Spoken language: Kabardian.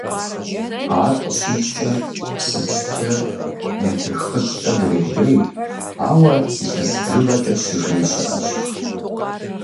Ар къыщикӀкӀэ, псы пщтырыр метр хыщӏкӀэ дрехуей, ауэ илъэс бжыгъэкӀэ «щыжеи» щыӀэщ.